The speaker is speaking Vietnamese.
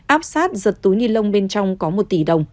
áp sát giật túi nilông bên trong có một tỷ đồng